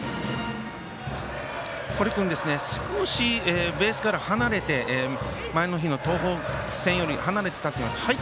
堀君少しベースから離れて前の日の東邦戦よりも離れて、立ってますね。